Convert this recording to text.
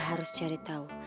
saya harus cari tau